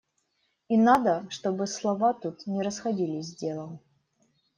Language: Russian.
И надо, чтобы слова тут не расходились с делом.